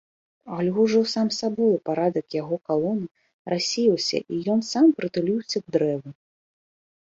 Але ўжо сам сабою парадак яго калоны рассеяўся і ён сам прытуліўся к дрэву.